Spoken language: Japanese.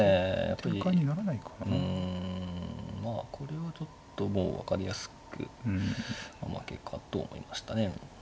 やっぱりうんまあこれはちょっともう分かりやすく負けかと思いましたね。